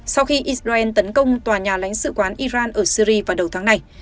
sau khi israel tấn công tòa nhà lãnh sự quán iran ở syri vào đầu tháng này